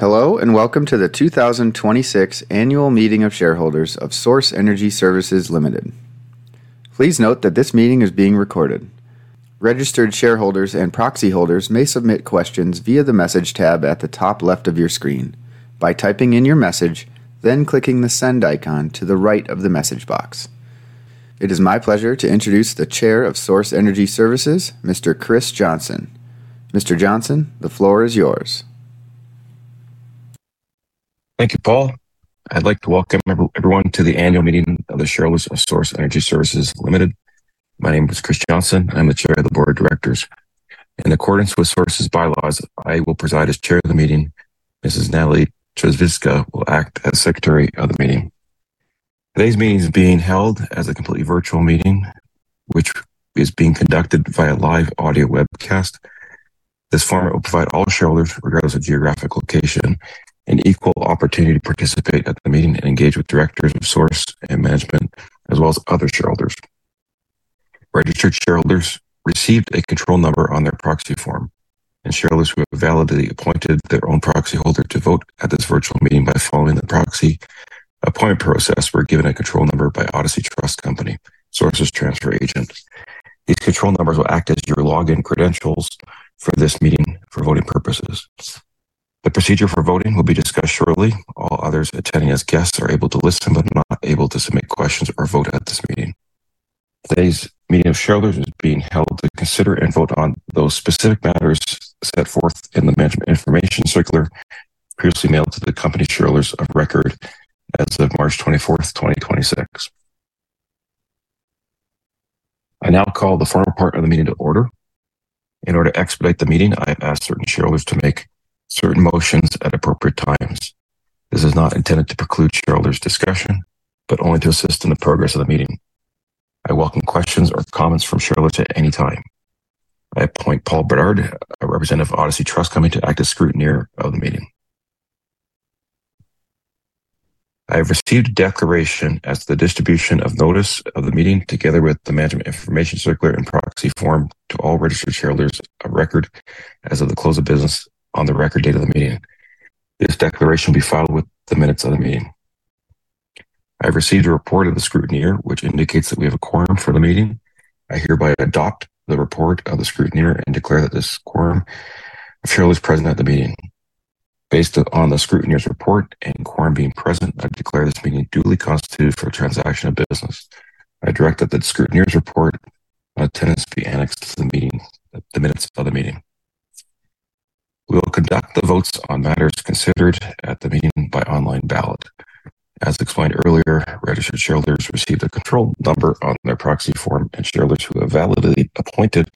Hello. Welcome to the 2026 annual meeting of shareholders of Source Energy Services Ltd.. Please note that this meeting is being recorded. Registered shareholders and proxy holders may submit questions via the message tab at the top left of your screen by typing in your message, then clicking the send icon to the right of the message box. It is my pleasure to introduce the Chair of Source Energy Services, Mr. Chris Johnson. Mr. Johnson, the floor is yours. Thank you, Paul. I'd like to welcome everyone to the annual meeting of the shareholders of Source Energy Services Ltd. My name is Chris Johnson. I'm the Chair of the Board of Directors. In accordance with Source's bylaws, I will preside as chair of the meeting. Mrs. Natalie Trzaskowska will act as Secretary of the Meeting. Today's meeting is being held as a completely virtual meeting, which is being conducted via live audio webcast. This forum will provide all shareholders, regardless of geographic location, an equal opportunity to participate at the meeting and engage with directors of Source and management, as well as other shareholders. Registered shareholders received a control number on their proxy form, and shareholders who have validly appointed their own proxy holder to vote at this virtual meeting by following the proxy appointment process were given a control number by Odyssey Trust Company, Source's transfer agent. These control numbers will act as your login credentials for this meeting for voting purposes. The procedure for voting will be discussed shortly. All others attending as guests are able to listen but are not able to submit questions or vote at this meeting. Today's meeting of shareholders is being held to consider and vote on those specific matters set forth in the Management Information Circular previously mailed to the company shareholders of record as of March 24th, 2026. I now call the formal part of the meeting to order. In order to expedite the meeting, I ask certain shareholders to make certain motions at appropriate times. This is not intended to preclude shareholders' discussion, but only to assist in the progress of the meeting. I welcome questions or comments from shareholders at any time. I appoint Paul Bernard, a representative of Odyssey Trust Company, to act as scrutineer of the meeting. I have received a declaration as to the distribution of notice of the meeting together with the Management Information Circular and proxy form to all registered shareholders of record as of the close of business on the record date of the meeting. This declaration will be filed with the minutes of the meeting. I have received a report of the scrutineer which indicates that we have a quorum for the meeting. I hereby adopt the report of the scrutineer and declare that this quorum of shareholders present at the meeting. Based on the scrutineer's report and quorum being present, I declare this meeting duly constituted for transaction of business. I direct that the scrutineer's report of attendance be annexed to the minutes of the meeting. We will conduct the votes on matters considered at the meeting by online ballot. As explained earlier, registered shareholders received a control number on their proxy form, and shareholders who have validly appointed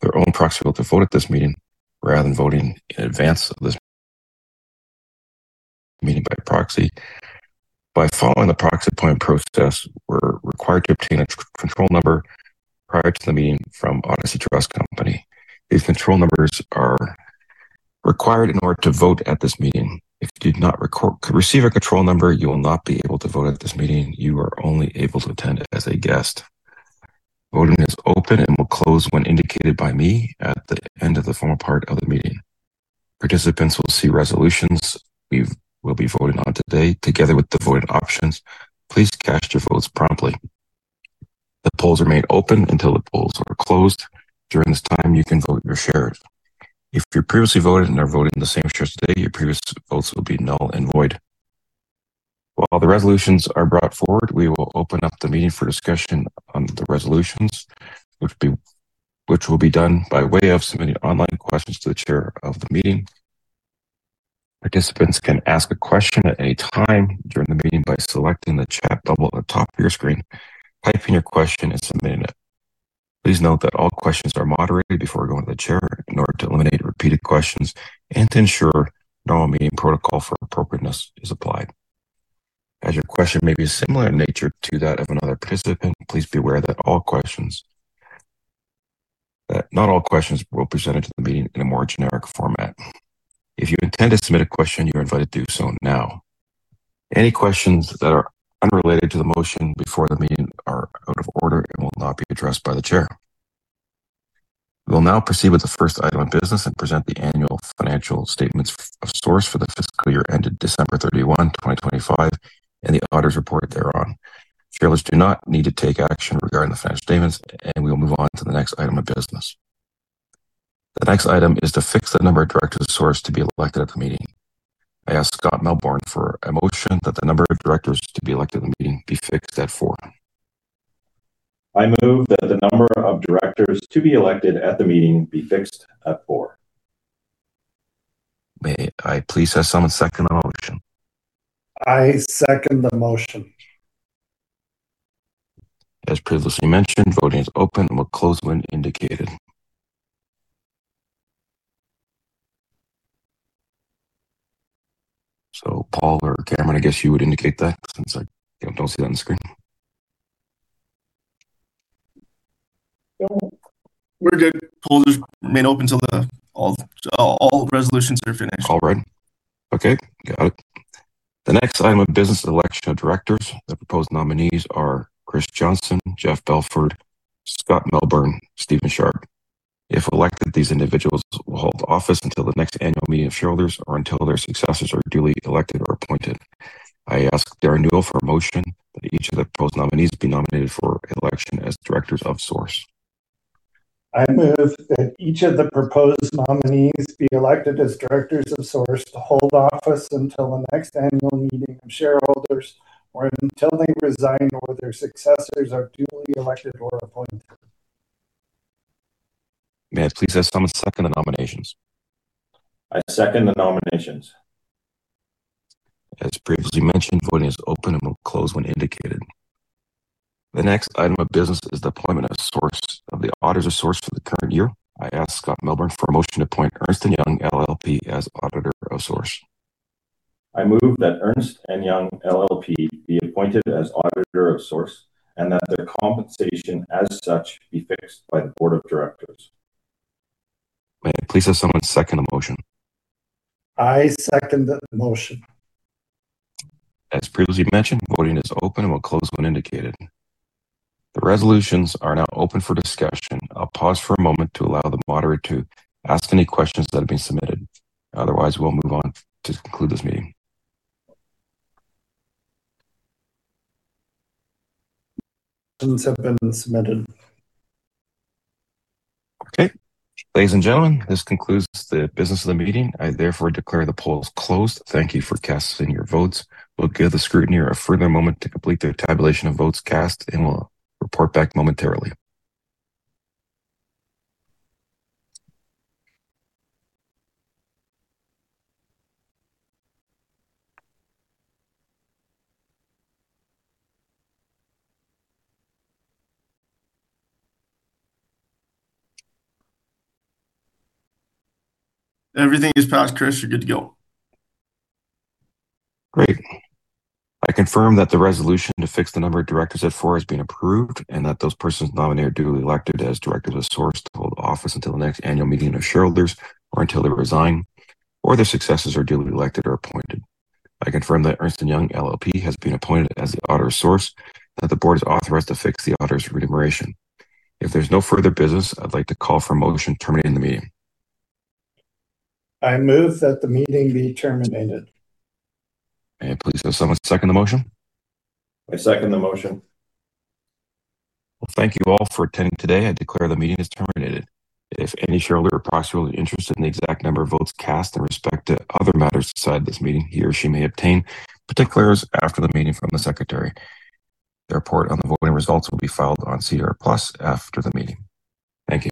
their own proxy vote to vote at this meeting rather than voting in advance of this meeting by proxy. By following the proxy appointment process, were required to obtain a control number prior to the meeting from Odyssey Trust Company. These control numbers are required in order to vote at this meeting. If you did not receive a control number, you will not be able to vote at this meeting. You are only able to attend as a guest. Voting is open and will close when indicated by me at the end of the formal part of the meeting. Participants will see resolutions will be voting on today together with the voting options. Please cast your votes promptly. The polls remain open until the polls are closed. During this time, you can vote your shares. If you previously voted and are voting the same shares today, your previous votes will be null and void. While the resolutions are brought forward, we will open up the meeting for discussion on the resolutions, which will be done by way of submitting online questions to the chair of the meeting. Participants can ask a question at any time during the meeting by selecting the chat bubble at the top of your screen, typing your question, and submitting it. Please note that all questions are moderated before going to the chair in order to eliminate repeated questions and to ensure normal meeting protocol for appropriateness is applied. As your question may be similar in nature to that of another participant, please be aware that not all questions will be presented to the meeting in a more generic format. If you intend to submit a question, you're invited to do so now. Any questions that are unrelated to the motion before the meeting are out of order and will not be addressed by the chair. We will now proceed with the first item of business and present the annual financial statements of Source for the fiscal year ended December 31, 2025, and the auditor's report thereon. Shareholders do not need to take action regarding the financial statements, and we will move on to the next item of business. The next item is to fix the number of directors of Source to be elected at the meeting. I ask Scott Melbourn for a motion that the number of directors to be elected at the meeting be fixed at four. I move that the number of directors to be elected at the meeting be fixed at four. May I please have someone second the motion? I second the motion. As previously mentioned, voting is open and will close when indicated. Paul or Cameron, I guess you would indicate that since I, you know, don't see it on the screen. Well, we're good. Polls remain open till all resolutions are finished. All right. Okay. Got it. The next item of business, election of directors. The proposed nominees are Chris Johnson, Jeff Belford, Scott Melbourn, Steven Sharpe. If elected, these individuals will hold office until the next annual meeting of shareholders or until their successors are duly elected or appointed. I ask Derren Newell for a motion that each of the proposed nominees be nominated for election as directors of Source. I move that each of the proposed nominees be elected as directors of Source to hold office until the next annual meeting of shareholders or until they resign or their successors are duly elected or appointed. May I please have someone second the nominations? I second the nominations. As previously mentioned, voting is open and will close when indicated. The next item of business is the appointment of the auditors of Source for the current year. I ask Scott Melbourn for a motion to appoint Ernst & Young LLP as auditor of Source. I move that Ernst & Young LLP be appointed as auditor of Source and that their compensation as such be fixed by the board of directors. May I please have someone second the motion? I second the motion. As previously mentioned, voting is open and will close when indicated. The resolutions are now open for discussion. I'll pause for a moment to allow the moderator to ask any questions that have been submitted. Otherwise, we'll move on to conclude this meeting. Questions have been submitted. Okay. Ladies and gentlemen, this concludes the business of the meeting. I therefore declare the polls closed. Thank you for casting your votes. We'll give the scrutineer a further moment to complete their tabulation of votes cast, and we'll report back momentarily. Everything is passed, Chris. You're good to go. Great. I confirm that the resolution to fix the number of directors at four has been approved and that those persons nominated are duly elected as directors of Source to hold office until the next annual meeting of shareholders or until they resign or their successors are duly elected or appointed. I confirm that Ernst & Young LLP has been appointed as the auditor of Source, that the board is authorized to fix the auditor's remuneration. If there's no further business, I'd like to call for a motion terminating the meeting. I move that the meeting be terminated. May I please have someone second the motion? I second the motion. Well, thank you all for attending today. I declare the meeting is terminated. If any shareholder or proxy holder interested in the exact number of votes cast in respect to other matters decided at this meeting, he or she may obtain particulars after the meeting from the secretary. The report on the voting results will be filed on SEDAR+ after the meeting. Thank you.